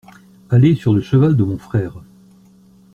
Aller sur le cheval de mon frère.